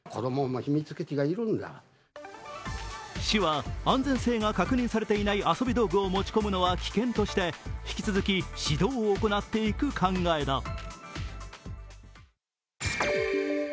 市は、安全性が確認されていない遊び道具を持ち込むのは危険として引き続き指導を行っていく考えだ。